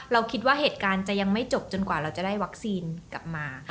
เราคิดว่าเหตุการณ์จะยังไม่จบจนกว่าเราจะได้วัคซีนกลับมา